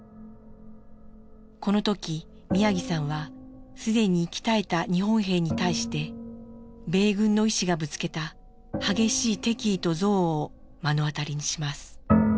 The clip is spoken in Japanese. この時宮城さんは既に息絶えた日本兵に対して米軍の医師がぶつけた激しい敵意と憎悪を目の当たりにします。